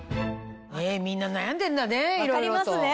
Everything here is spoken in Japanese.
みんな悩んでんだねいろいろと。